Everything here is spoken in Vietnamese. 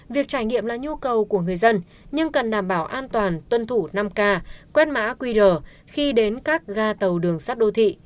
việc trải nghiệm là nhu cầu của người dân nhưng cần đảm bảo an toàn tuân thủ năm k quét mã quy rở khi đến các ga tàu đường sắt đô thị